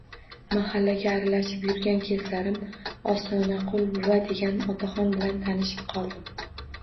Mahallaga aralashib yurgan kezlarim Ostonaqul buva degan otaxon bilan tanishib qoldim